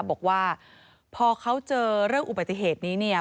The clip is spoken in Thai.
บอกว่าพอเขาเจอเรื่องอุบัติเหตุนี้เนี่ย